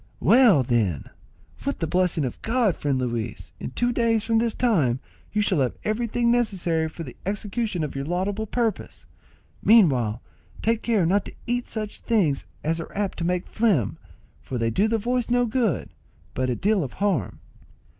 "Well, then, with the blessing of God, friend Luis, in two days from this time you shall have everything necessary for the execution of your laudable purpose. Meanwhile, take care not to eat such things as are apt to make phlegm, for they do the voice no good, but a deal of harm."